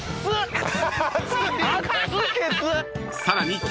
［さらに］